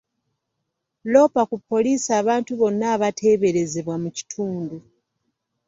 Loopa ku poliisi abantu bonna abateeberezebwa mu kitundu.